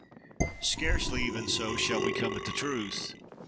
Scarcely, even so, shall we come at the truth.